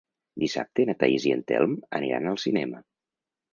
Dissabte na Thaís i en Telm aniran al cinema.